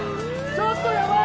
ちょっとやばい。